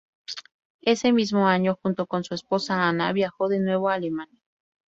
Ese mismo año, junto con su esposa Anna, viajó de nuevo a Alemania.